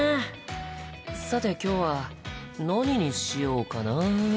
さて今日は何にしようかな？